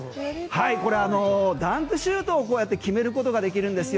これはダンクシュートをこうやって決めることができるんですよ。